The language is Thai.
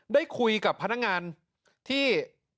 ได้คุยกับพนักงานที่